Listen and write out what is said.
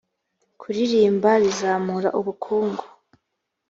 kuririmba bizamura ubukungu.